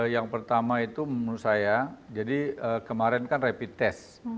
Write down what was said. yang pertama itu menurut saya jadi kemarin kan rapid test